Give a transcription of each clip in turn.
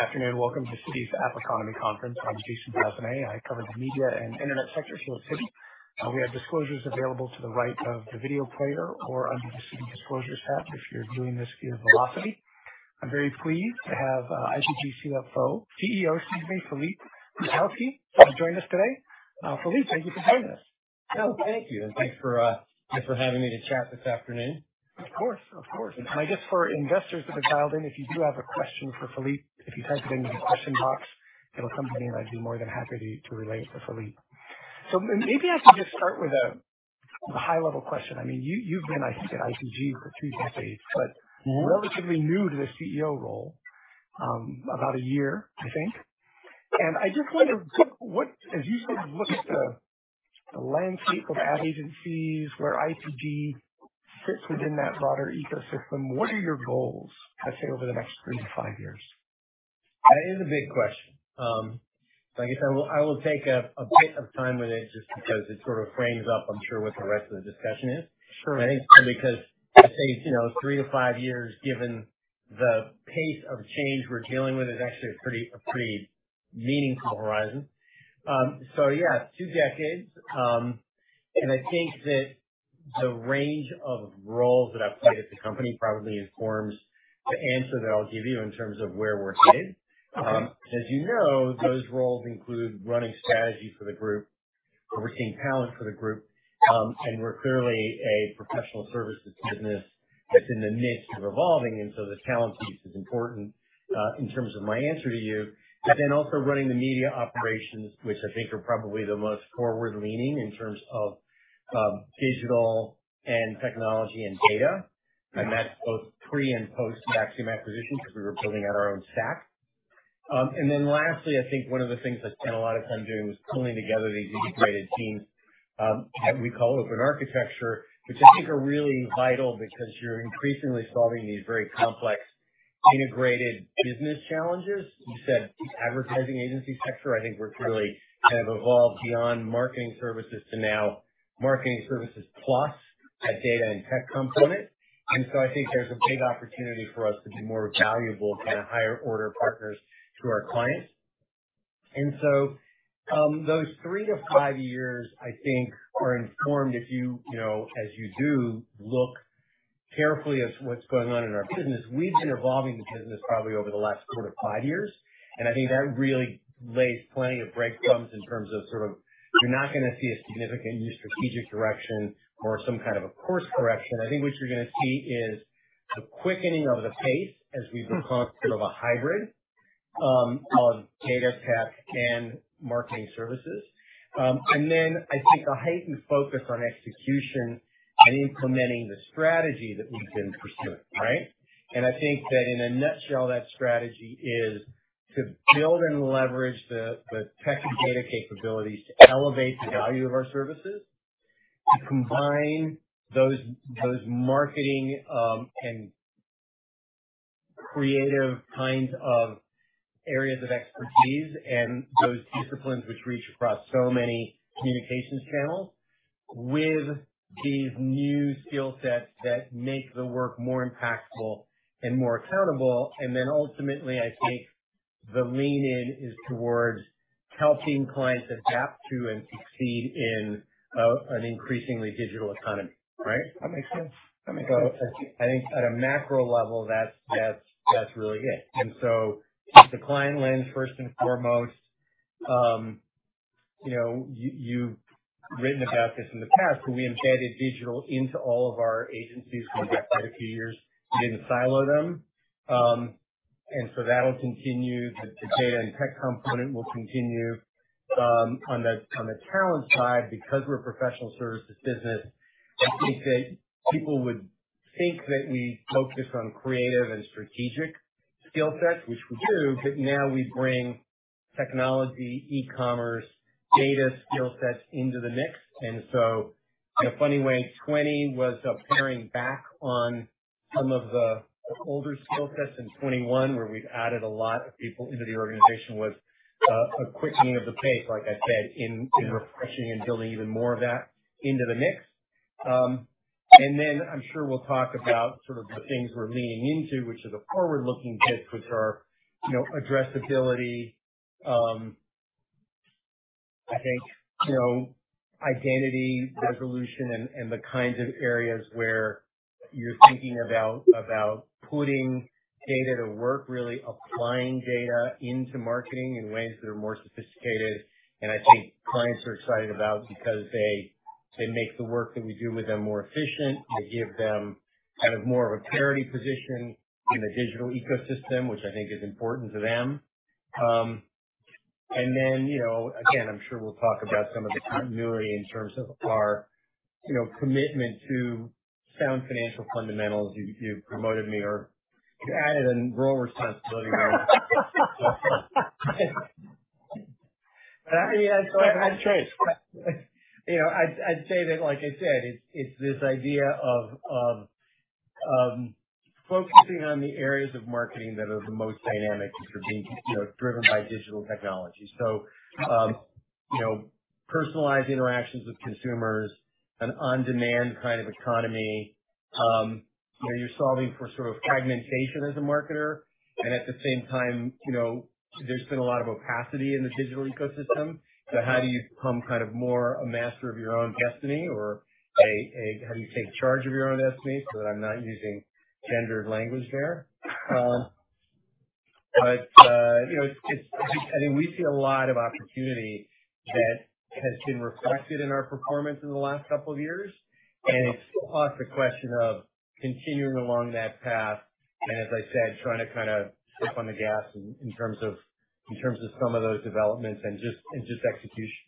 Good afternoon. Welcome to Citi's AppsEconomy conference on the GC 1000A. I cover the media and internet sector here at Citi. We have disclosures available to the right of the video player or under the Citi Disclosures tab if you're viewing this via Velocity. I'm very pleased to have IPG CFO, CEO, excuse me, Philippe Krakowsky, join us today. Philippe, thank you for joining us. Oh, thank you, and thanks for having me to chat this afternoon. Of course. Of course. And I guess for investors that have dialed in, if you do have a question for Philippe, if you type it into the question box, it'll come to me and I'd be more than happy to relay it to Philippe. So maybe I can just start with a high-level question. I mean, you've been, I think, at IPG for two decades, but relatively new to the CEO role, about a year, I think. And I just wondered, as you sort of look at the landscape of ad agencies, where IPG sits within that broader ecosystem, what are your goals, let's say, over the next three to five years? That is a big question. So I guess I will take a bit of time with it just because it sort of frames up, I'm sure, what the rest of the discussion is. Sure. I think because I'd say three to five years, given the pace of change we're dealing with, is actually a pretty meaningful horizon. So yeah, two decades. And I think that the range of roles that I've played at the company probably informs the answer that I'll give you in terms of where we're headed. As you know, those roles include running strategy for the group, overseeing talent for the group, and we're clearly a professional services business that's in the midst of evolving. And so the talent piece is important in terms of my answer to you. But then also running the media operations, which I think are probably the most forward-leaning in terms of digital and technology and data. And that's both pre and post Acxiom acquisition because we were building out our own stack. And then lastly, I think one of the things I spent a lot of time doing was pulling together these integrated teams that we call Open Architecture, which I think are really vital because you're increasingly solving these very complex integrated business challenges. You said advertising agency sector. I think we've really kind of evolved beyond marketing services to now marketing services plus a data and tech component. And so I think there's a big opportunity for us to be more valuable kind of higher-order partners to our clients. And so those three to five years, I think, are informed as you do look carefully at what's going on in our business. We've been evolving the business probably over the last four to five years. I think that really lays plenty of breadcrumbs in terms of sort of you're not going to see a significant new strategic direction or some kind of a course correction. I think what you're going to see is the quickening of the pace as we become sort of a hybrid of data, tech, and marketing services. Then I think a heightened focus on execution and implementing the strategy that we've been pursuing, right? I think that in a nutshell, that strategy is to build and leverage the tech and data capabilities to elevate the value of our services, to combine those marketing and creative kinds of areas of expertise and those disciplines which reach across so many communications channels with these new skill sets that make the work more impactful and more accountable. Ultimately, I think the lean-in is towards helping clients adapt to and succeed in an increasingly digital economy, right? That makes sense. That makes sense. So I think at a macro level, that's really it, and so the client lens first and foremost, you've written about this in the past, but we embedded digital into all of our agencies for the past quite a few years. We didn't silo them, and so that'll continue. The data and tech component will continue. On the talent side, because we're a professional services business, I think that people would think that we focus on creative and strategic skill sets, which we do, but now we bring technology, e-commerce, data skill sets into the mix, and so in a funny way, 2020 was a paring back on some of the older skill sets, and 2021, where we've added a lot of people into the organization, was a quickening of the pace, like I said, in refreshing and building even more of that into the mix. And then I'm sure we'll talk about sort of the things we're leaning into, which are the forward-looking bits, which are addressability, I think, identity resolution, and the kinds of areas where you're thinking about putting data to work, really applying data into marketing in ways that are more sophisticated. And I think clients are excited about because they make the work that we do with them more efficient. They give them kind of more of a parity position in the digital ecosystem, which I think is important to them. And then, again, I'm sure we'll talk about some of the continuity in terms of our commitment to sound financial fundamentals. You promoted me or you added a role responsibility there. I mean, I'm sure. I've tried. I'd say that, like I said, it's this idea of focusing on the areas of marketing that are the most dynamic and are being driven by digital technology. So personalized interactions with consumers, an on-demand kind of economy. You're solving for sort of fragmentation as a marketer. And at the same time, there's been a lot of opacity in the digital ecosystem. So how do you become kind of more a master of your own destiny, or how do you take charge of your own destiny? So that I'm not using gendered language there. But I think we see a lot of opportunity that has been reflected in our performance in the last couple of years. And it's still us, the question of continuing along that path and, as I said, trying to kind of step on the gas in terms of some of those developments and just execution.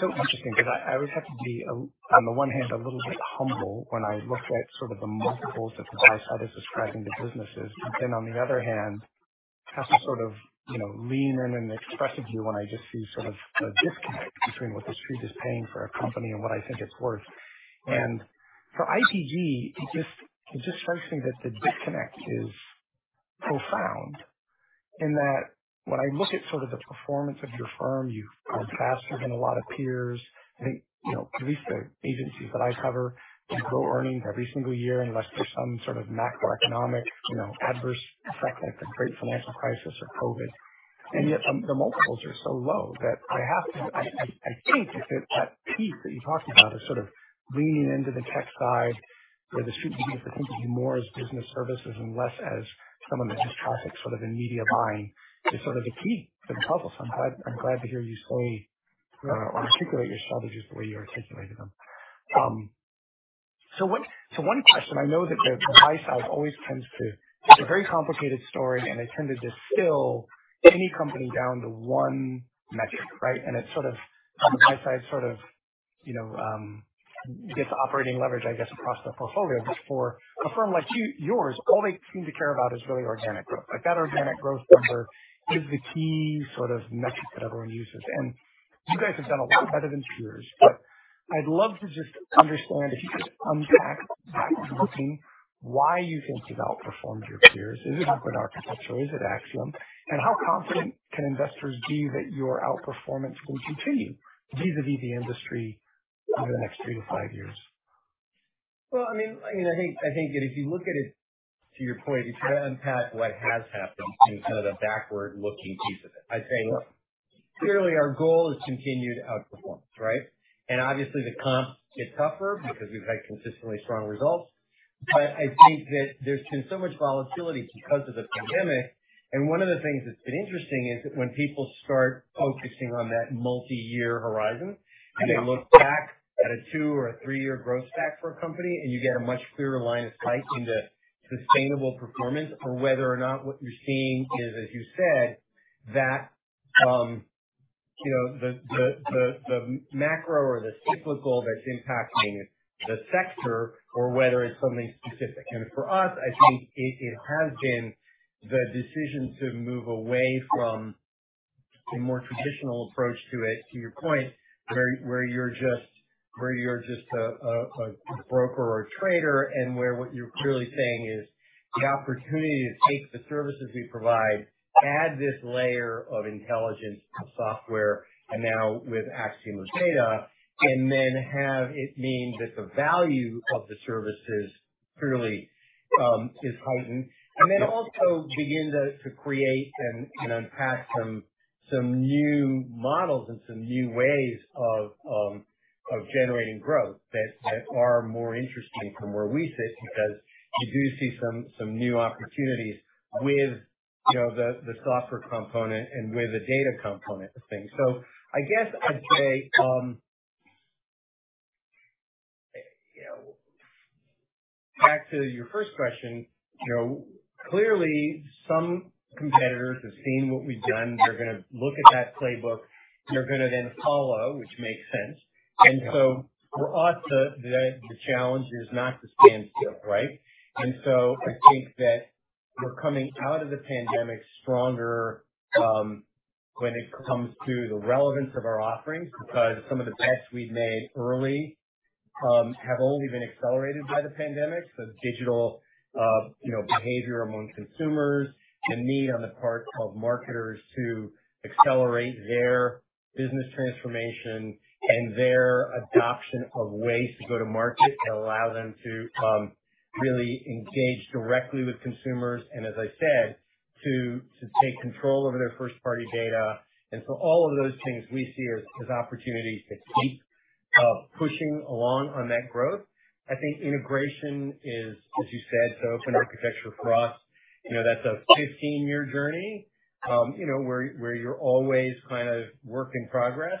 So interesting because I would have to be, on the one hand, a little bit humble when I look at sort of the multiples that the buy side is describing the businesses. But then on the other hand, I have to sort of lean in and express a view when I just see sort of a disconnect between what the street is paying for a company and what I think it's worth. And for IPG, it just strikes me that the disconnect is profound in that when I look at sort of the performance of your firm, you've grown faster than a lot of peers. I think at least the agencies that I cover have low earnings every single year unless there's some sort of macroeconomic adverse effect like the great financial crisis or COVID. And yet the multiples are so low that I have to, I think, that piece that you talked about of sort of leaning into the tech side where the street maybe is thinking of you more as business services and less as someone that just traffics sort of in media buying is sort of the key to the puzzle. So I'm glad to hear you say or articulate your strategies the way you articulated them. So one question. I know that the buy side always tends to. It's a very complicated story, and they tend to distill any company down to one metric, right? And it sort of on the buy side sort of gets operating leverage, I guess, across the portfolio. But for a firm like yours, all they seem to care about is really organic growth. That organic growth number is the key sort of metric that everyone uses. And you guys have done a lot better than peers, but I'd love to just understand if you could unpack that and looking why you think you've outperformed your peers. Is it Open Architecture? Is it Acxiom? And how confident can investors be that your outperformance can continue vis-à-vis the industry over the next three to five years? Well, I mean, I think that if you look at it to your point, if you unpack what has happened in kind of the backward-looking piece of it, I'd say clearly our goal is continued outperformance, right? And obviously, the comps get tougher because we've had consistently strong results. But I think that there's been so much volatility because of the pandemic. And one of the things that's been interesting is that when people start focusing on that multi-year horizon and they look back at a two or a three-year growth stack for a company and you get a much clearer line of sight into sustainable performance or whether or not what you're seeing is, as you said, that the macro or the cyclical that's impacting the sector or whether it's something specific. And for us, I think it has been the decision to move away from a more traditional approach to it, to your point, where you're just a broker or a trader and where what you're clearly saying is the opportunity to take the services we provide, add this layer of intelligence, software, and now with Acxiom's data, and then have it mean that the value of the services clearly is heightened. And then also begin to create and unpack some new models and some new ways of generating growth that are more interesting from where we sit because we do see some new opportunities with the software component and with the data component of things. So I guess I'd say back to your first question, clearly some competitors have seen what we've done. They're going to look at that playbook. They're going to then follow, which makes sense. And so for us, the challenge is not to stand still, right? And so I think that we're coming out of the pandemic stronger when it comes to the relevance of our offerings because some of the bets we've made early have only been accelerated by the pandemic, the digital behavior among consumers, the need on the part of marketers to accelerate their business transformation and their adoption of ways to go to market that allow them to really engage directly with consumers and, as I said, to take control over their first-party data. And so all of those things we see as opportunities to keep pushing along on that growth. I think integration is, as you said, so Open Architecture for us. That's a 15-year journey where you're always kind of work in progress,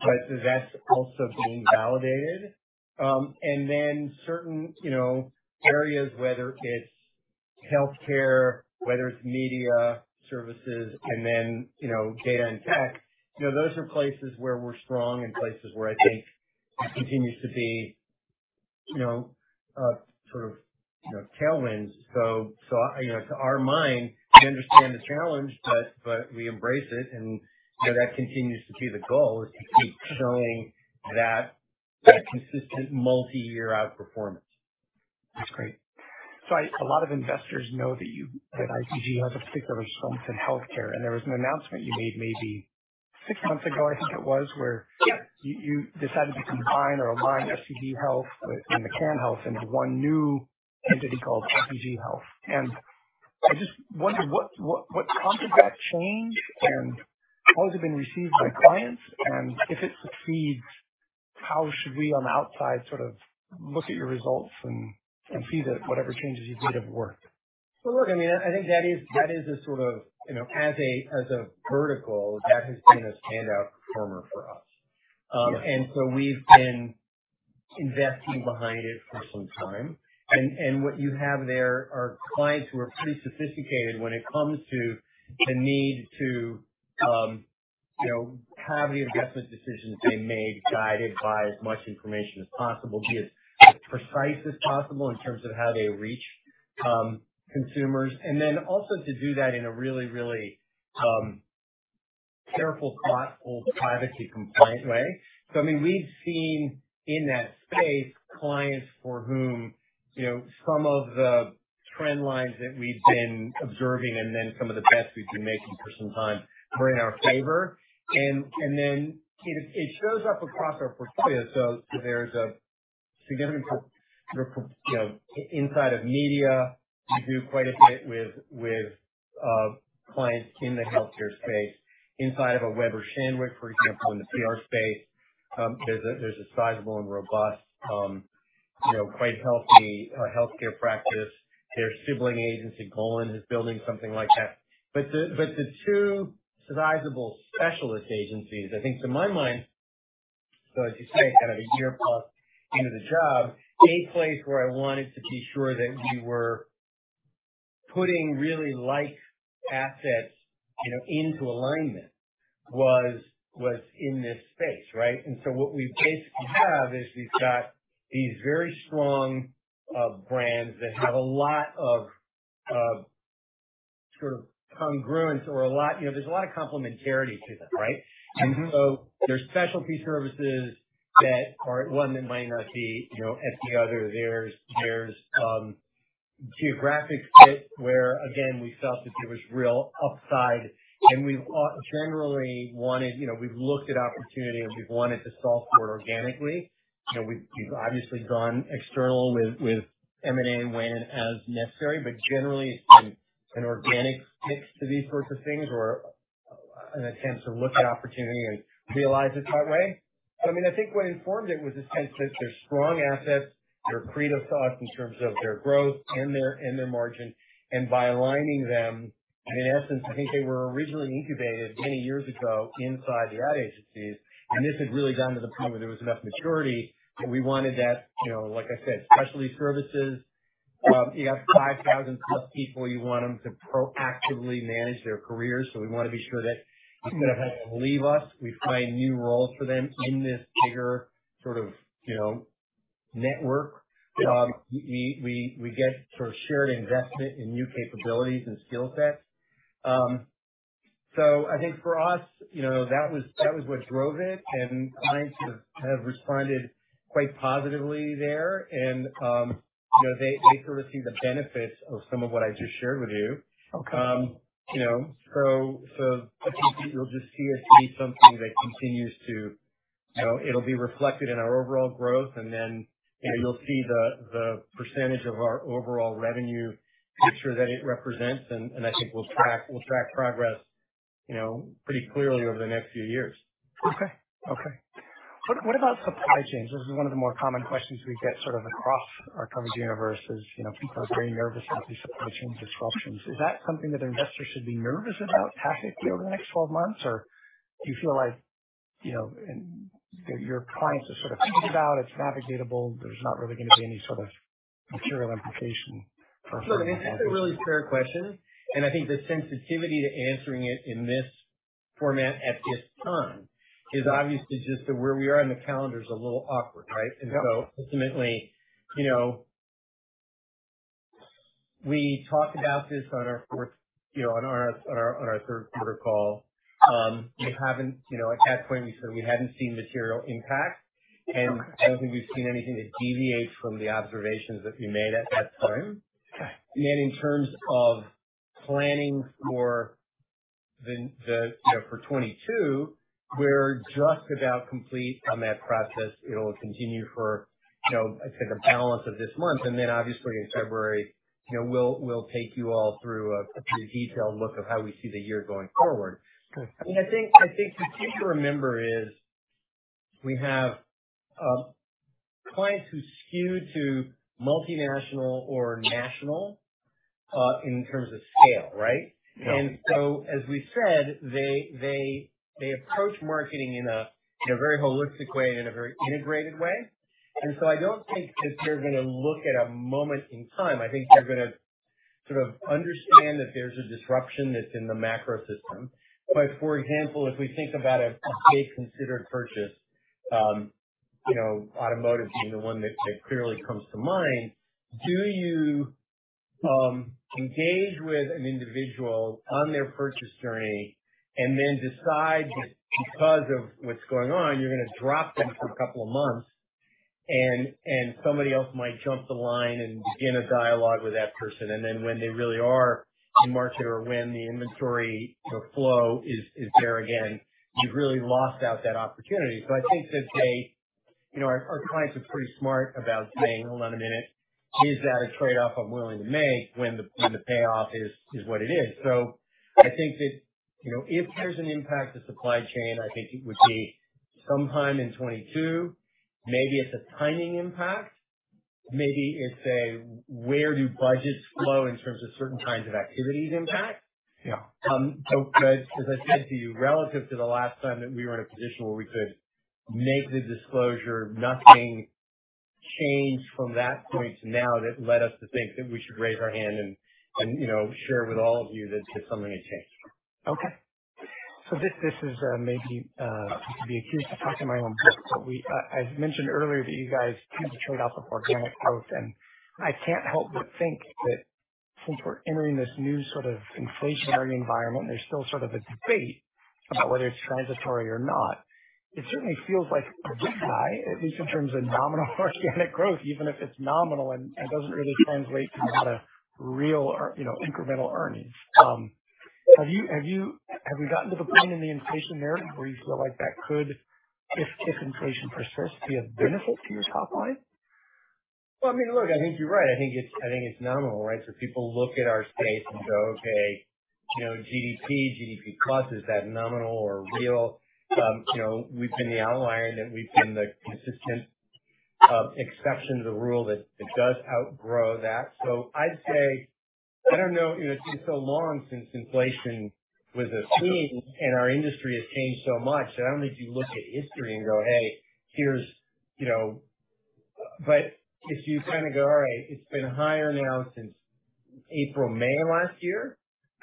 but that's also being validated. And then certain areas, whether it's healthcare, whether it's media services, and then data and tech, those are places where we're strong and places where I think it continues to be sort of tailwinds. So to our mind, we understand the challenge, but we embrace it. And that continues to be the goal, is to keep showing that consistent multi-year outperformance. That's great. So a lot of investors know that IPG has a particular strength in healthcare. And there was an announcement you made maybe six months ago, I think it was, where you decided to combine or align FCB Health and McCann Health into one new entity called IPG Health. And I just wonder what prompted that change and how has it been received by clients? And if it succeeds, how should we on the outside sort of look at your results and see that whatever changes you've made have worked? I mean, I think that is sort of a vertical that has been a standout performer for us. And so we've been investing behind it for some time. And what you have there are clients who are pretty sophisticated when it comes to the need to have the investment decisions they made guided by as much information as possible, be as precise as possible in terms of how they reach consumers, and then also to do that in a really, really careful, thoughtful, privacy-compliant way. So I mean, we've seen in that space clients for whom some of the trend lines that we've been observing and then some of the bets we've been making for some time were in our favor. And then it shows up across our portfolio. So there's a significant inside of media. We do quite a bit with clients in the healthcare space. Inside of a Weber Shandwick, for example, in the PR space, there's a sizable and robust, quite healthy healthcare practice. Their sibling agency, Golin, is building something like that. But the two sizable specialist agencies, I think to my mind, so as you say, kind of a year plus into the job, a place where I wanted to be sure that we were putting really like assets into alignment was in this space, right? And so what we basically have is we've got these very strong brands that have a lot of sort of congruence or a lot there's a lot of complementarity to them, right? And so there's specialty services that are at one that might not be at the other. There's geographic fit where, again, we felt that there was real upside. We've generally wanted, we've looked at opportunity and we've wanted to solve for it organically. We've obviously gone external with M&A when and as necessary, but generally, it's been an organic fix to these sorts of things or an attempt to look at opportunity and realize it that way. I mean, I think what informed it was a sense that they're strong assets. They're a credit to us in terms of their growth and their margin. And by aligning them, in essence, I think they were originally incubated many years ago inside the ad agencies. And this had really gotten to the point where there was enough maturity that we wanted that, like I said, specialty services. You got 5,000+ people. You want them to proactively manage their careers. So we want to be sure that instead of having them leave us, we find new roles for them in this bigger sort of network. We get sort of shared investment in new capabilities and skill sets. So I think for us, that was what drove it. And clients have responded quite positively there. And they sort of see the benefits of some of what I just shared with you. So I think that you'll just see it be something that continues to. It'll be reflected in our overall growth. And then you'll see the percentage of our overall revenue picture that it represents. And I think we'll track progress pretty clearly over the next few years. Okay. Okay. What about supply chains? This is one of the more common questions we get sort of across our coverage universe: people are very nervous about these supply chain disruptions. Is that something that investors should be nervous about tackling over the next 12 months, or do you feel like your clients are sort of thinking about it’s navigable? There’s not really going to be any sort of material implication for a firm. Look, and it's a really fair question. And I think the sensitivity to answering it in this format at this time is obviously just that where we are on the calendar is a little awkward, right? And so ultimately, we talked about this on our third quarter call. At that point, we said we hadn't seen material impact. And I don't think we've seen anything that deviates from the observations that we made at that time. And then in terms of planning for 2022, we're just about complete on that process. It'll continue for, I'd say, the balance of this month. And then obviously, in February, we'll take you all through a pretty detailed look of how we see the year going forward. I mean, I think the key to remember is we have clients who skew to multinational or national in terms of scale, right? And so, as we said, they approach marketing in a very holistic way and in a very integrated way. And so I don't think that they're going to look at a moment in time. I think they're going to sort of understand that there's a disruption that's in the macro system. But for example, if we think about a big considered purchase, automotive being the one that clearly comes to mind, do you engage with an individual on their purchase journey and then decide that because of what's going on, you're going to drop them for a couple of months and somebody else might jump the line and begin a dialogue with that person? And then when they really are in market or when the inventory flow is there again, you've really lost out that opportunity. So I think that our clients are pretty smart about saying, "Hold on a minute. Is that a trade-off I'm willing to make when the payoff is what it is?" So I think that if there's an impact to supply chain, I think it would be sometime in 2022. Maybe it's a timing impact. Maybe it's a where do budgets flow in terms of certain kinds of activities impact. But as I said to you, relative to the last time that we were in a position where we could make the disclosure, nothing changed from that point to now that led us to think that we should raise our hand and share with all of you that something had changed. Okay. So this is maybe to be accused of talking my own book, but I mentioned earlier that you guys do the trade-off of organic growth. And I can't help but think that since we're entering this new sort of inflationary environment, there's still sort of a debate about whether it's transitory or not. It certainly feels like a good buy, at least in terms of nominal organic growth, even if it's nominal and doesn't really translate to a lot of real incremental earnings. Have we gotten to the point in the inflationary where you feel like that could, if inflation persists, be a benefit to your top line? Well, I mean, look, I think you're right. I think it's nominal, right? So people look at our space and go, "Okay, GDP, GDP+, is that nominal or real?" We've been the outlier that we've been the consistent exception to the rule that does outgrow that. So I'd say I don't know. It's been so long since inflation was a thing, and our industry has changed so much. And I don't think you look at history and go, "Hey, here's " but if you kind of go, "All right, it's been higher now since April, May last year,"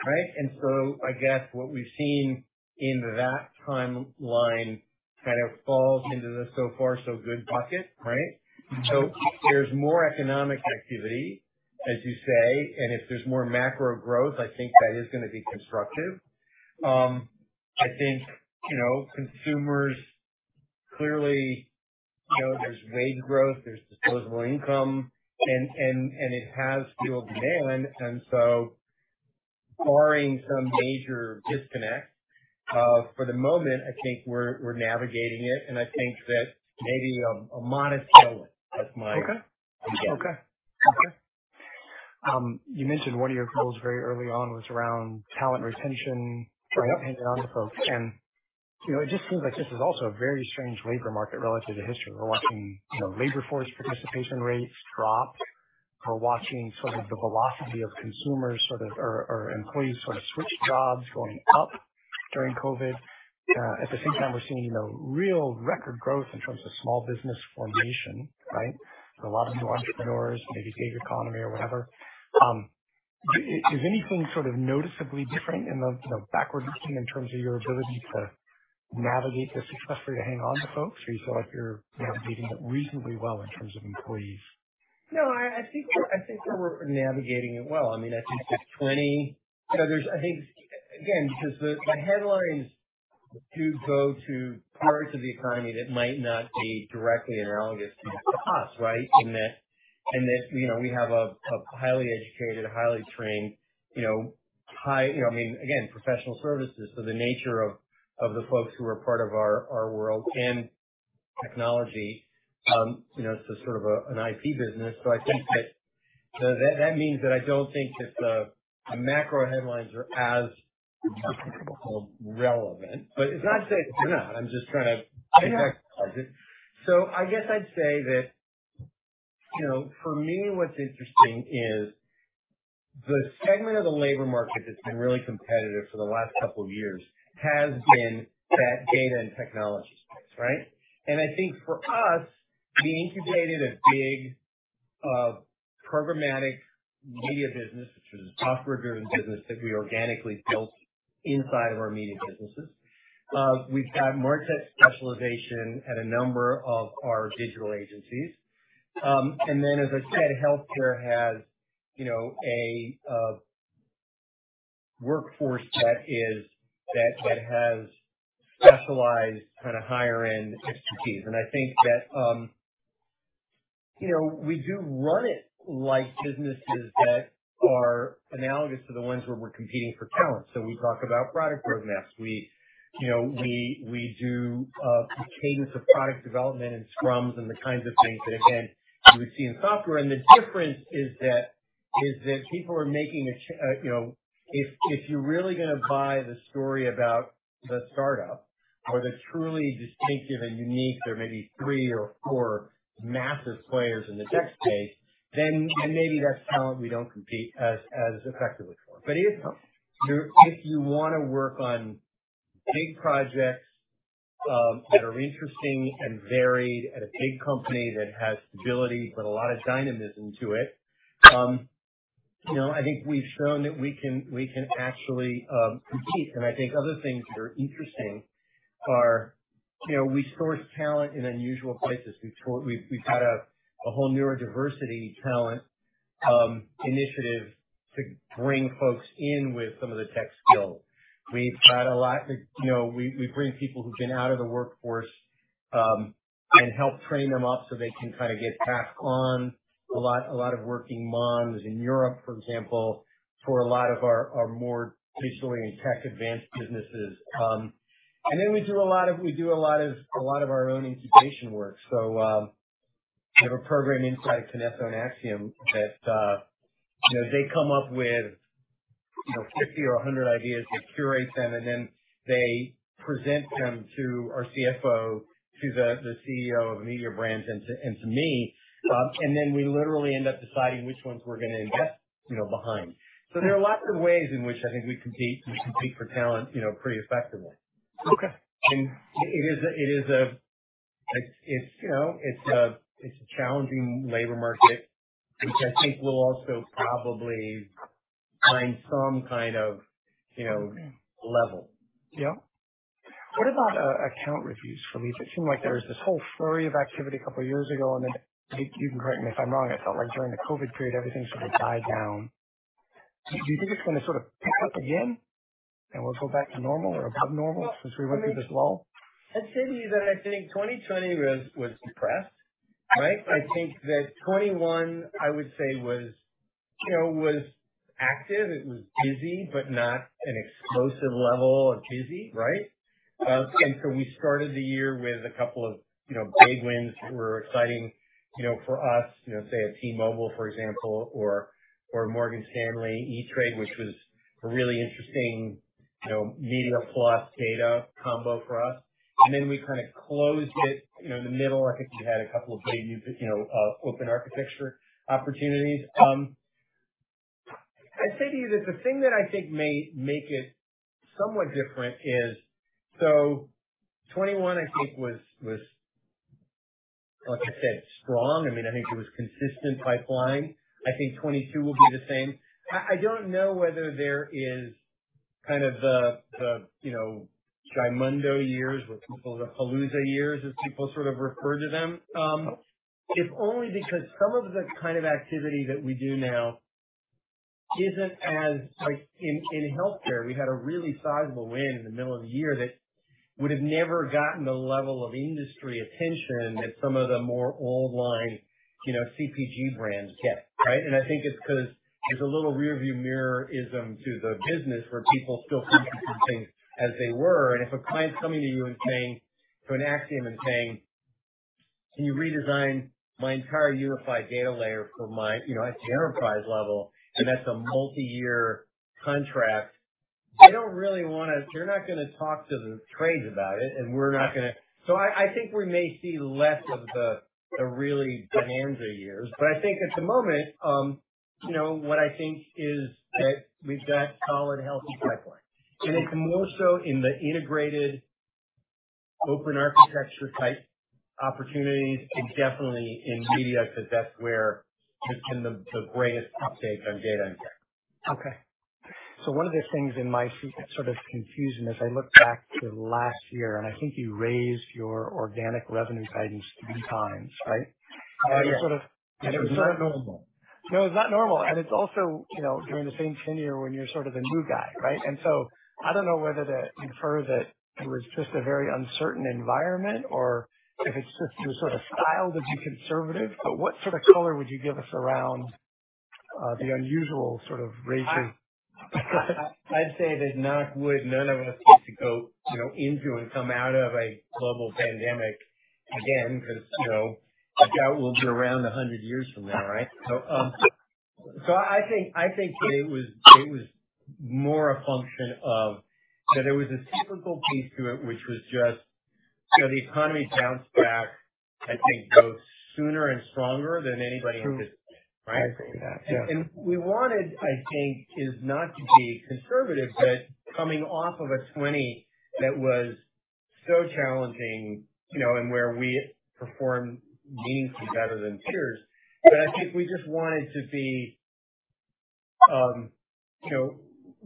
right? And so I guess what we've seen in that timeline kind of falls into the so far so good bucket, right? So if there's more economic activity, as you say, and if there's more macro growth, I think that is going to be constructive. I think, consumers clearly, there's wage growth, there's disposable income, and it has fueled demand. And so, barring some major disconnect, for the moment, I think we're navigating it. And I think that maybe a modest tailwind. That's my understanding. Okay. Okay. Okay. You mentioned one of your goals very early on was around talent retention, right, hanging on to folks. And it just seems like this is also a very strange labor market relative to history. We're watching labor force participation rates drop. We're watching sort of the velocity of consumers or employees sort of switch jobs going up during COVID. At the same time, we're seeing real record growth in terms of small business formation, right? A lot of new entrepreneurs, maybe gig economy or whatever. Is anything sort of noticeably different in the backward looking in terms of your ability to navigate the success rate of hanging on to folks, or do you feel like you're navigating it reasonably well in terms of employees? No, I think we're navigating it well. I mean, I think that in 2020, I think, again, because the headlines do go to parts of the economy that might not be directly analogous to us, right, in that we have a highly educated, highly trained, high—I mean, again, professional services. So the nature of the folks who are part of our world and technology is sort of an IPG business. So I think that that means that I don't think that the macro headlines are as relevant. But it's not to say that they're not. I'm just trying to contextualize it. So I guess I'd say that for me, what's interesting is the segment of the labor market that's been really competitive for the last couple of years has been that data and technology space, right? And I think for us, we incubated a big programmatic media business, which was a software-driven business that we organically built inside of our media businesses. We've got market specialization at a number of our digital agencies. And then, as I said, healthcare has a workforce that has specialized kind of higher-end expertise. And I think that we do run it like businesses that are analogous to the ones where we're competing for talent. So we talk about product roadmaps. We do cadence of product development and scrums and the kinds of things that, again, you would see in software. And the difference is that people are making a - if you're really going to buy the story about the startup or the truly distinctive and unique - there may be three or four massive players in the tech space - then maybe that's talent we don't compete as effectively for. But if you want to work on big projects that are interesting and varied at a big company that has stability but a lot of dynamism to it, I think we've shown that we can actually compete. And I think other things that are interesting are we source talent in unusual places. We've got a whole neurodiversity talent initiative to bring folks in with some of the tech skills. We've got a lot. We bring people who've been out of the workforce and help train them up so they can kind of get back on track. A lot of working moms in Europe, for example, for a lot of our more digitally and tech-advanced businesses. And then we do a lot of our own incubation work. So we have a program inside of KINESSO and Acxiom that they come up with 50 or 100 ideas. They curate them, and then they present them to our CFO, to the CEO of a media brand, and to me. And then we literally end up deciding which ones we're going to invest behind. So there are lots of ways in which I think we compete for talent pretty effectively. And it's a challenging labor market, which I think will also probably find some kind of level. Yeah. What about account reviews for leads? It seemed like there was this whole flurry of activity a couple of years ago, and then you can correct me if I'm wrong. I felt like during the COVID period, everything sort of died down. Do you think it's going to sort of pick up again and we'll go back to normal or above normal since we went through this lull? I'd say to you that I think 2020 was depressed, right? I think that 2021, I would say, was active. It was busy, but not an explosive level of busy, right? And so we started the year with a couple of big wins that were exciting for us, say, at T-Mobile, for example, or Morgan Stanley, E*TRADE, which was a really interesting media plus data combo for us. And then we kind of closed it in the middle. I think we had a couple of big Open Architecture opportunities. I'd say to you that the thing that I think may make it somewhat different is so 2021, I think, was, like I said, strong. I mean, I think it was consistent pipeline. I think 2022 will be the same. I don't know whether there is kind of the review-mageddon years or Halcyon years as people sort of refer to them, if only because some of the kind of activity that we do now isn't as, like in healthcare, we had a really sizable win in the middle of the year that would have never gotten the level of industry attention that some of the more old-line CPG brands get, right? And I think it's because there's a little rearview mirrorism to the business where people still think of things as they were. If a client's coming to you and saying to Acxiom and saying, "Can you redesign my entire unified data layer for my enterprise level?" and that's a multi-year contract, they don't really want to, they're not going to talk to the trades about it, and we're not going to, so I think we may see less of the really bonanza years, but I think at the moment, what I think is that we've got solid, healthy pipeline, and it's more so in the integrated Open Architecture type opportunities and definitely in media because that's where there's been the greatest uptake on data and tech. Okay. So one of the things in my sort of confusion as I look back to last year, and I think you raised your organic revenue guidance 3x, right? Yeah, and it was not normal. No, it was not normal. And it's also during the same tenure when you're sort of a new guy, right? And so I don't know whether to infer that it was just a very uncertain environment or if it's just you were sort of styled to be conservative. But what sort of color would you give us around the unusual sort of range of- I'd say that knock on wood, none of us get to go into and come out of a global pandemic again because the doubt will be around 100 years from now, right? So I think that it was more a function of that there was a cyclical piece to it, which was just the economy bounced back, I think, both sooner and stronger than anybody anticipated, right? I agree with that. Yeah. And we wanted, I think, is not to be conservative, but coming off of a 2020 that was so challenging and where we performed meaningfully better than peers. But I think we just wanted to be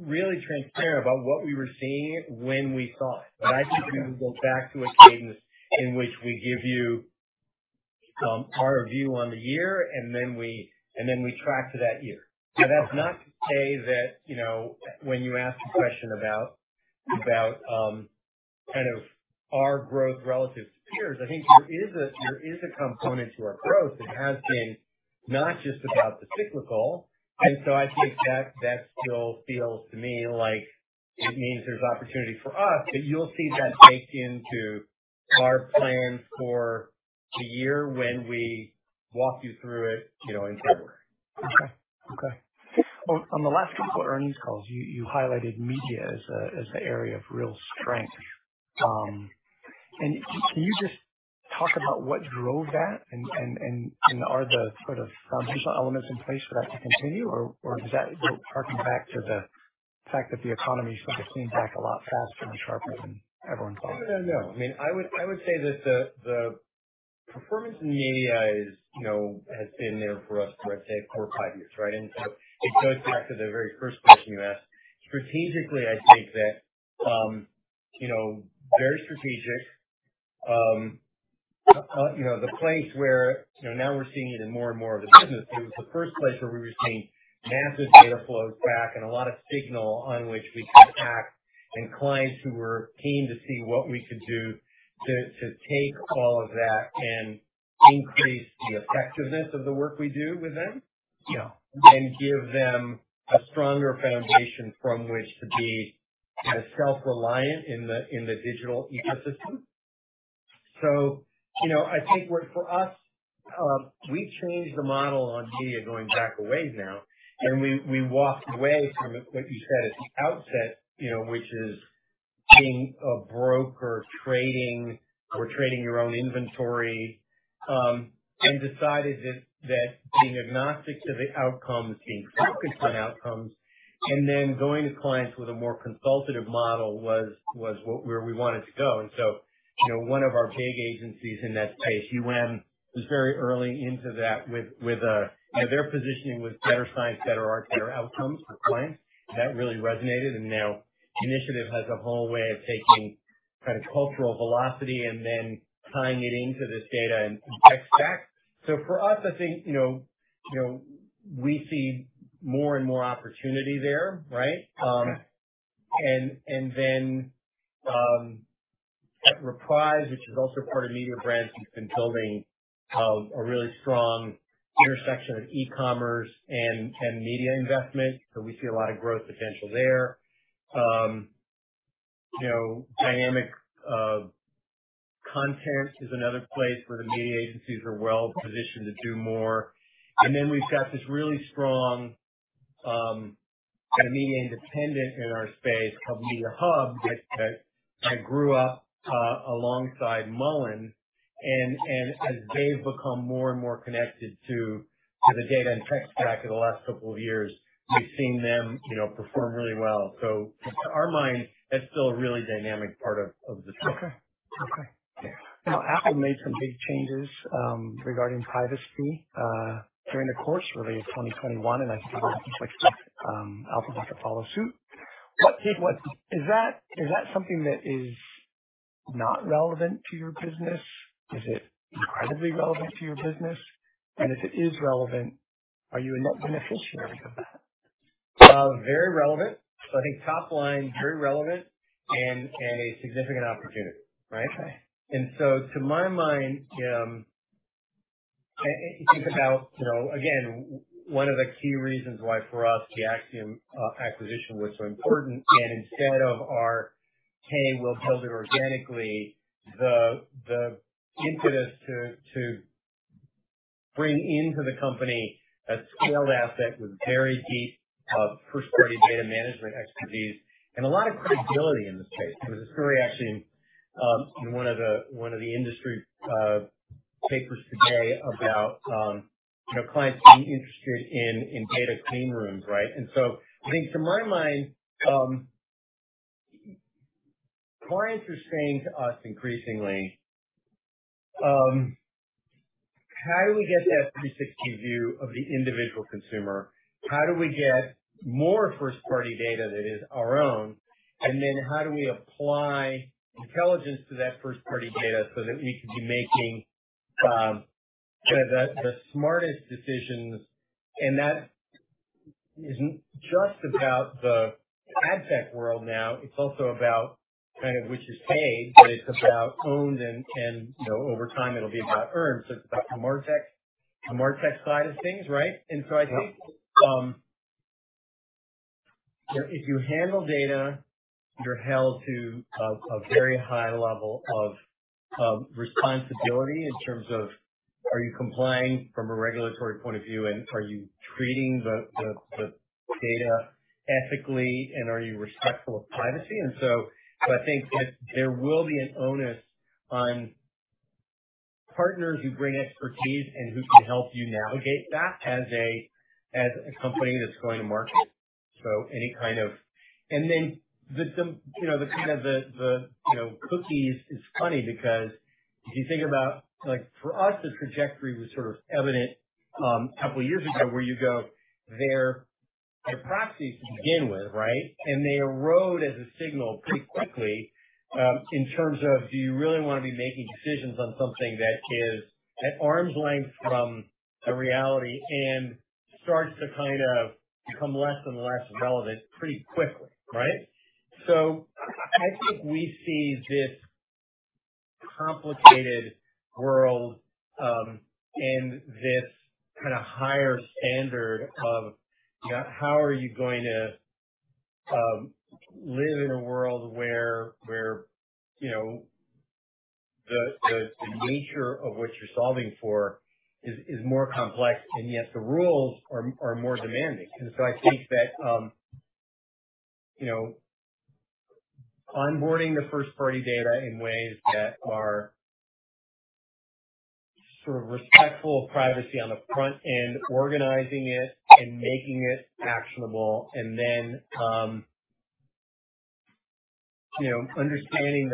really transparent about what we were seeing when we saw it. But I think we will go back to a cadence in which we give you our view on the year, and then we track to that year. Now, that's not to say that when you ask a question about kind of our growth relative to peers, I think there is a component to our growth that has been not just about the cyclical. And so I think that still feels to me like it means there's opportunity for us, but you'll see that baked into our plan for the year when we walk you through it in February. Okay. Well, on the last couple of earnings calls, you highlighted media as the area of real strength, and can you just talk about what drove that, and are the sort of foundational elements in place for that to continue, or is that harkened back to the fact that the economy sort of came back a lot faster and sharper than everyone thought? Yeah, no. I mean, I would say that the performance in media has been there for us for, I'd say, four or five years, right? And so it goes back to the very first question you asked. Strategically, I think that very strategic, the place where now we're seeing it in more and more of the business, it was the first place where we were seeing massive data flows back and a lot of signal on which we could act, and clients who were keen to see what we could do to take all of that and increase the effectiveness of the work we do with them and give them a stronger foundation from which to be kind of self-reliant in the digital ecosystem. So I think for us, we've changed the model on media going back away now. And we walked away from what you said at the outset, which is being a broker trading or trading your own inventory, and decided that being agnostic to the outcomes, being focused on outcomes, and then going to clients with a more consultative model was where we wanted to go. And so one of our big agencies in that space was very early into that with their positioning: better science, better art, better outcomes for clients. That really resonated. And now Initiative has a whole way of taking kind of cultural velocity and then tying it into this data and tech stack. So for us, I think we see more and more opportunity there, right? And then at Reprise, which is also part of Mediabrands, we've been building a really strong intersection of e-commerce and media investment. So we see a lot of growth potential there. Dynamic content is another place where the media agencies are well positioned to do more. And then we've got this really strong kind of media independent in our space called Mediahub that grew up alongside MullenLowe. And as they've become more and more connected to the data and tech stack in the last couple of years, we've seen them perform really well. So to our mind, that's still a really dynamic part of the space. Okay. Okay. Now, Apple made some big changes regarding privacy during the course, really, of 2021, and I think it was a complexity of Apple had to follow suit. Is that something that is not relevant to your business? Is it incredibly relevant to your business? And if it is relevant, are you a net beneficiary of that? Very relevant. So I think top line, very relevant, and a significant opportunity, right? And so to my mind, think about, again, one of the key reasons why for us the Acxiom acquisition was so important. And instead of our, "Hey, we'll build it organically," the impetus to bring into the company a scaled asset with very deep first-party data management expertise and a lot of credibility in the space. There was a story actually in one of the industry papers today about clients being interested in data clean rooms, right? And so I think to my mind, clients are saying to us increasingly, "How do we get that 360 view of the individual consumer? How do we get more first-party data that is our own? And then how do we apply intelligence to that first-party data so that we can be making kind of the smartest decisions?" That isn't just about the ad tech world now. It's also about kind of which is paid, but it's about owned, and over time, it'll be about earned. It's about the martech side of things, right? I think if you handle data, you're held to a very high level of responsibility in terms of, "Are you complying from a regulatory point of view, and are you treating the data ethically, and are you respectful of privacy?" I think that there will be an onus on partners who bring expertise and who can help you navigate that as a company that's going to market. So any kind of, and then the kind of the cookies is funny because if you think about, for us, the trajectory was sort of evident a couple of years ago where you go their proxies to begin with, right? And they erode as a signal pretty quickly in terms of, "Do you really want to be making decisions on something that is at arm's length from the reality and starts to kind of become less and less relevant pretty quickly," right? So, I think we see this complicated world and this kind of higher standard of, "How are you going to live in a world where the nature of what you're solving for is more complex, and yet the rules are more demanding?" And so, I think that onboarding the first-party data in ways that are sort of respectful of privacy on the front end, organizing it and making it actionable, and then understanding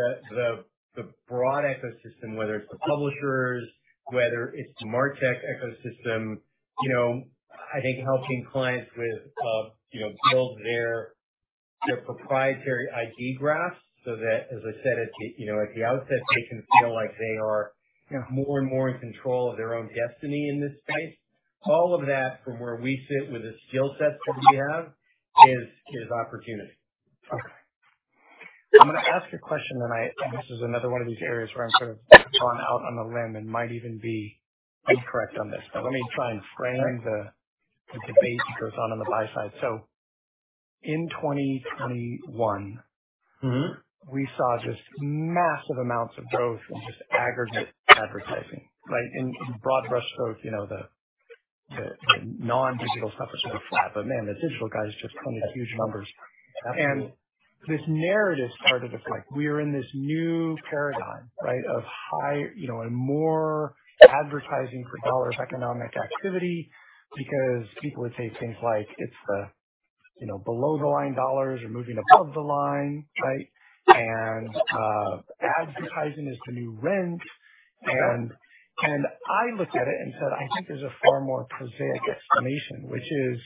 the broad ecosystem, whether it's the publishers, whether it's the martech ecosystem. I think helping clients with build their proprietary ID graphs so that, as I said, at the outset, they can feel like they are more and more in control of their own destiny in this space. All of that, from where we sit with the skill sets that we have, is opportunity. Okay. I'm going to ask a question, and this is another one of these areas where I'm sort of gone out on a limb and might even be incorrect on this. But let me try and frame the debate that goes on on the buy side. So in 2021, we saw just massive amounts of growth in just aggregate advertising, right? And broad brush stroke, the non-digital stuff is going to flat. But man, the digital guys just printed huge numbers. And this narrative started as like, "We're in this new paradigm, right, of high and more advertising for dollars economic activity because people would say things like, 'It's the below the line dollars or moving above the line,' right? And advertising is the new rent." And I looked at it and said, "I think there's a far more prosaic explanation, which is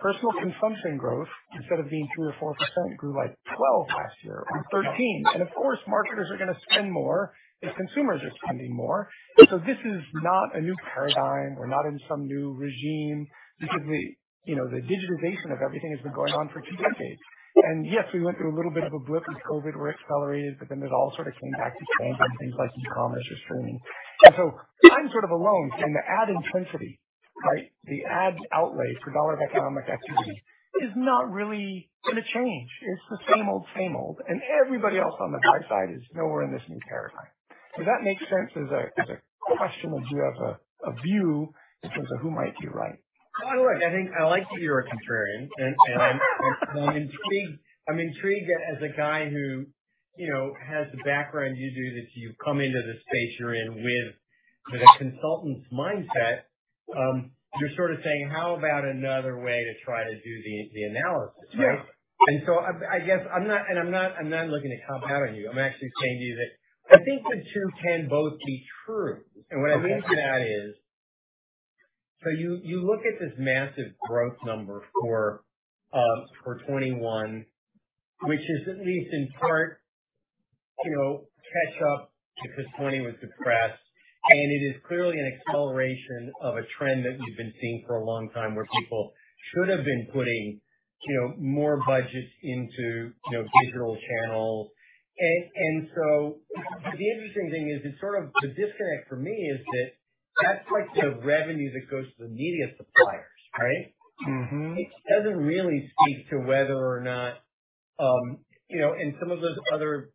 personal consumption growth instead of being 3% or 4%, grew like 12% last year or 13%." And of course, marketers are going to spend more if consumers are spending more. So this is not a new paradigm. We're not in some new regime because the digitization of everything has been going on for two decades. And yes, we went through a little bit of a blip with COVID where it accelerated, but then it all sort of came back to trends and things like e-commerce or streaming. And so I'm sort of alone saying the ad intensity, right, the ad outlay for dollars economic activity is not really going to change. It's the same old, same old. Everybody else on the buy side is nowhere in this new paradigm. Does that make sense as a question of, "Do you have a view in terms of who might be right? Look, I like that you're a contrarian. I'm intrigued that as a guy who has the background you do, that you come into the space you're in with a consultant's mindset, you're sort of saying, "How about another way to try to do the analysis," right? I guess I'm not looking to cop out on you. I'm actually saying to you that I think the two can both be true. What I mean by that is, you look at this massive growth number for 2021, which is at least in part catch-up because 2020 was depressed. It is clearly an acceleration of a trend that we've been seeing for a long time where people should have been putting more budgets into digital channels. And so the interesting thing is it's sort of the disconnect for me is that that's like the revenue that goes to the media suppliers, right? It doesn't really speak to whether or not, and some of those other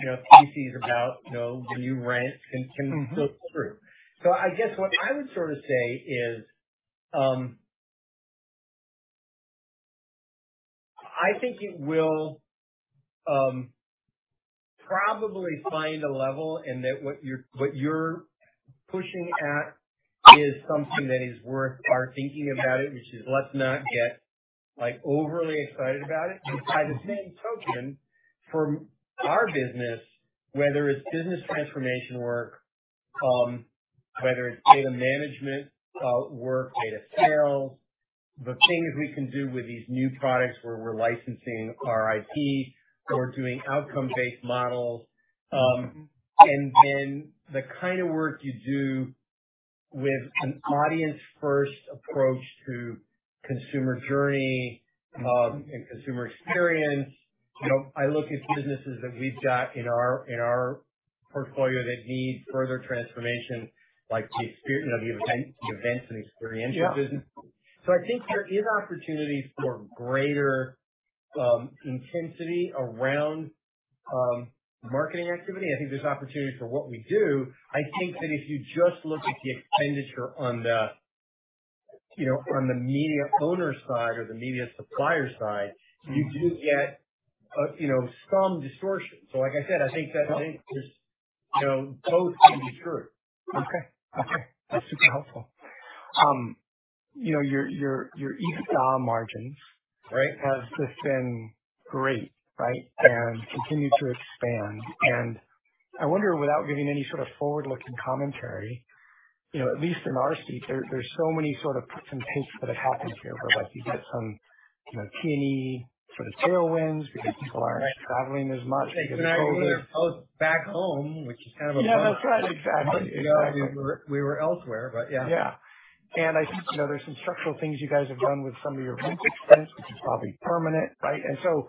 pieces about the new trend can still be true. So I guess what I would sort of say is I think it will probably find a level in that what you're pushing at is something that is worth our thinking about it, which is let's not get overly excited about it. And by the same token, for our business, whether it's business transformation work, whether it's data management work, data sales, the things we can do with these new products where we're licensing our IP or doing outcome-based models, and then the kind of work you do with an audience-first approach to consumer journey and consumer experience. I look at businesses that we've got in our portfolio that need further transformation, like the events and experiential business. So I think there is opportunity for greater intensity around marketing activity. I think there's opportunity for what we do. I think that if you just look at the expenditure on the media owner side or the media supplier side, you do get some distortion. So like I said, I think that both can be true. Okay. Okay. That's super helpful. Your EBITDA margins, right, have just been great, right, and continue to expand. And I wonder, without giving any sort of forward-looking commentary, at least in our seat, there's so many sort of puts and takes that have happened here where you get some T&E sort of tailwinds because people aren't traveling as much because of COVID. And then we are both back home, which is kind of a bummer. Yeah. That's right. Exactly. Exactly. We were elsewhere, but yeah. Yeah. And I think there's some structural things you guys have done with some of your rent expense, which is probably permanent, right? And so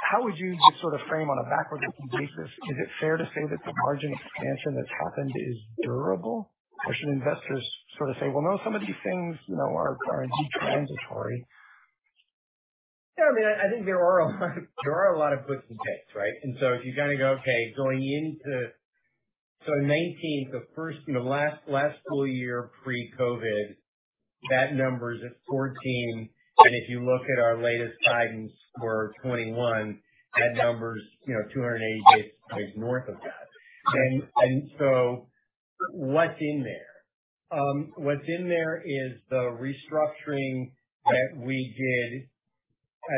how would you just sort of frame on a backward-looking basis, is it fair to say that the margin expansion that's happened is durable? Or should investors sort of say, "Well, no, some of these things are indeed transitory"? Yeah. I mean, I think there are a lot of puts and takes, right? And so if you kind of go, "Okay, going into so in 2019, the last full year pre-COVID, that number is at 14. And if you look at our latest guidance for 2021, that number is 280 days north of that." And so what's in there? What's in there is the restructuring that we did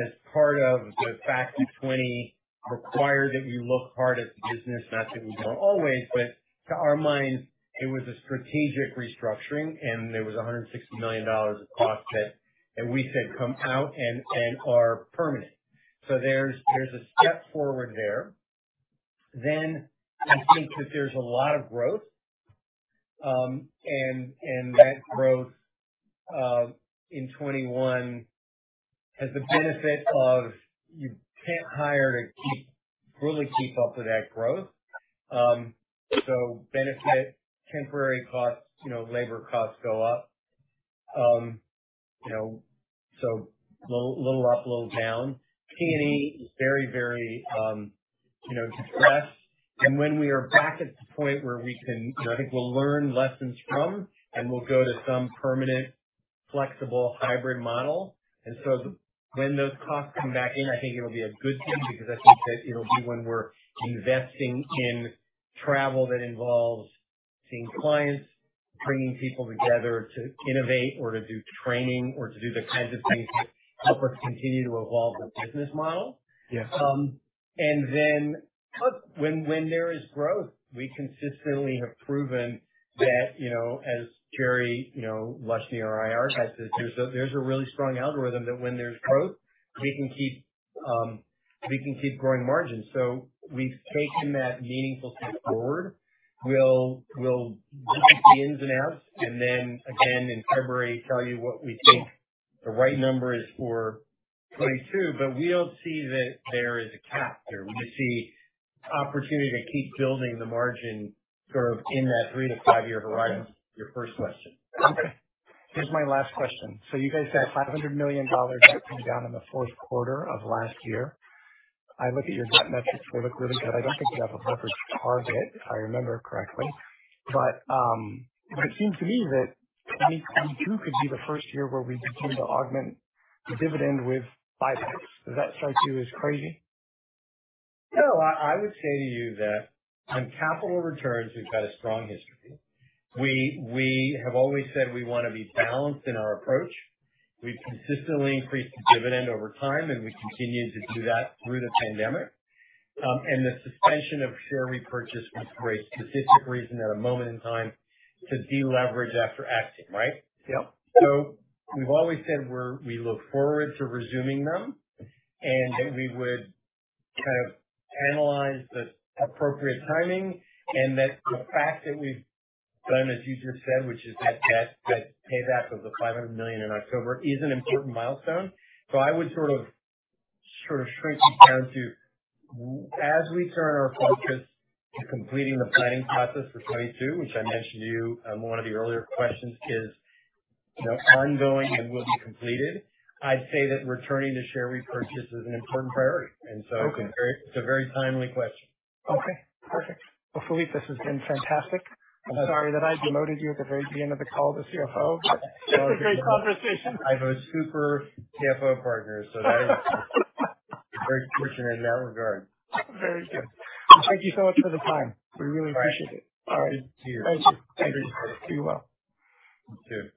as part of the fact that 2020 required that we look hard at the business, not that we don't always, but to our minds, it was a strategic restructuring. And there was $160 million of costs that we said come out and are permanent. So there's a step forward there. Then I think that there's a lot of growth. And that growth in 2021 has the benefit of you can't hire to fully keep up with that growth. So, benefit, temporary costs, labor costs go up. So little up, little down. T&E is very, very depressed. And when we are back at the point where we can, I think we'll learn lessons from, and we'll go to some permanent, flexible, hybrid model. And so when those costs come back in, I think it'll be a good thing because I think that it'll be when we're investing in travel that involves seeing clients, bringing people together to innovate or to do training or to do the kinds of things that help us continue to evolve the business model. And then when there is growth, we consistently have proven that, as Jerry Leshne, our IR, has said, there's a really strong algorithm that when there's growth, we can keep growing margins. So we've taken that meaningful step forward. We'll look at the ins and outs and then again in February tell you what we think the right number is for 2022. But we don't see that there is a cap here. We just see opportunity to keep building the margin sort of in that three-to-five-year horizon. Your first question. Okay. Here's my last question. So you guys said $500 million that came down in the fourth quarter of last year. I look at your debt metrics. They look really good. I don't think you have a leverage target, if I remember correctly. But it seems to me that 2022 could be the first year where we begin to augment the dividend with buybacks. Does that strike you as crazy? No. I would say to you that on capital returns, we've had a strong history. We have always said we want to be balanced in our approach. We've consistently increased the dividend over time, and we continued to do that through the pandemic, and the suspension of share repurchase was for a specific reason at a moment in time to deleverage after exit, right, so we've always said we look forward to resuming them and that we would kind of analyze the appropriate timing and that the fact that we've done, as you just said, which is that payback of the $500 million in October is an important milestone. So I would sort of shrink it down to, as we turn our focus to completing the planning process for 2022, which I mentioned to you on one of the earlier questions, is ongoing and will be completed. I'd say that returning to share repurchase is an important priority. And so it's a very timely question. Okay. Perfect. Well, Philippe, this has been fantastic. I'm sorry that I demoted you at the very beginning of the call as CFO, but. That's a great conversation. I have a super CFO partner, so that is very fortunate in that regard. Very good. Well, thank you so much for the time. We really appreciate it. All right. Good to see you. Thank you. Thank you. Be well. You too.